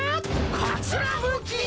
かつらむき！